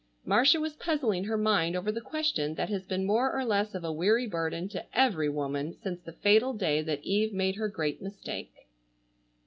Marcia was puzzling her mind over the question that has been more or less of a weary burden to every woman since the fatal day that Eve made her great mistake.